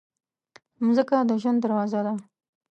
مځکه د ژوند دروازه ده.